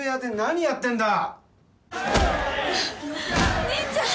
お兄ちゃん。